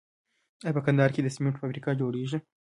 آیا په کندهار کې د سمنټو فابریکه جوړیږي؟